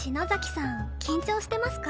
さん緊張してますか？